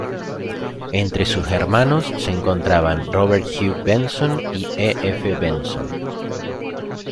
Entre sus hermanos se encontraban Robert Hugh Benson y E. F. Benson.